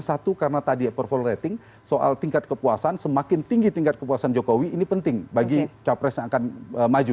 satu karena tadi approval rating soal tingkat kepuasan semakin tinggi tingkat kepuasan jokowi ini penting bagi capres yang akan maju